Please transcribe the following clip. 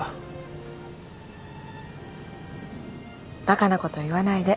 バカなこと言わないで。